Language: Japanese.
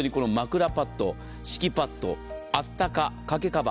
枕パッド、敷きパッド、あったかかけカバー。